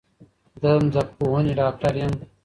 د ځمکپوهنې ډاکټر یم